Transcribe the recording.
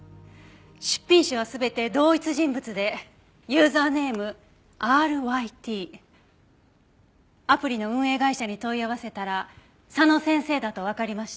出品者は全て同一人物でユーザーネーム「Ｒ．Ｙ．Ｔ」。アプリの運営会社に問い合わせたら佐野先生だとわかりました。